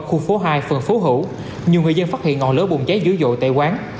khu phố hai phường phú hủ nhiều người dân phát hiện ngọn lỡ bùng cháy dữ dội tại quán